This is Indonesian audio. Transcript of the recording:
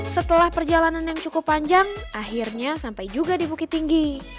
setelah perjalanan yang cukup panjang akhirnya sampai juga di bukit tinggi